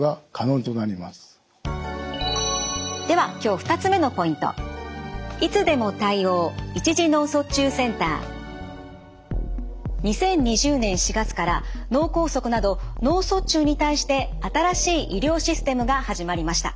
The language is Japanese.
２０２０年４月から脳梗塞など脳卒中に対して新しい医療システムが始まりました。